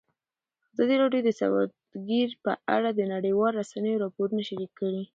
ازادي راډیو د سوداګري په اړه د نړیوالو رسنیو راپورونه شریک کړي.